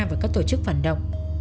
vào các tổ chức phản động